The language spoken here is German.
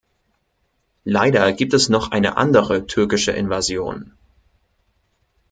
Leider gibt es noch eine andere türkische Invasion.